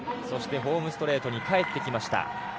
ホームストレートに帰ってきました。